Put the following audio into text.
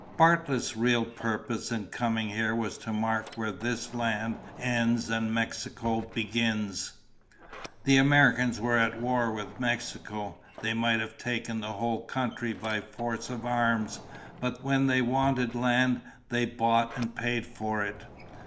Bartlett's real purpose in coming here was to mark where this land ends and Mexico begins. The Americans were at war with Mexico. They might have taken the whole country by force of arms, but when they wanted land, they bought and paid for it.